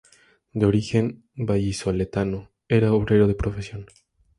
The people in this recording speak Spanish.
De origen vallisoletano, era obrero de profesión.